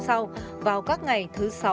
sau vào các ngày thứ sáu